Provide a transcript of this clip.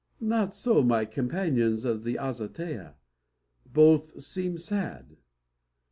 Not so my companions on the azotea. Both seem sad.